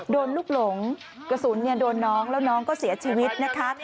โดนลูกหลงกระสุนโดนน้องแล้วน้องก็เสียชีวิตนะคะ